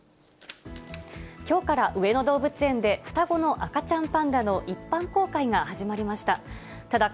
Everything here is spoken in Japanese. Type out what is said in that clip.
きょうから上野動物園で、双子の赤ちゃんパンダの一般公開が始まりました。